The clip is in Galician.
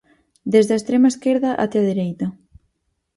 Desde a extrema esquerda até a dereita.